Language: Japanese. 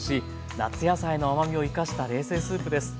夏野菜の甘みを生かした冷製スープです。